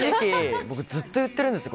ずっと言ってるんです。